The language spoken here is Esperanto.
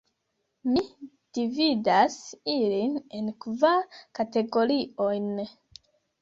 Mi dividas ilin en kvar kategoriojn.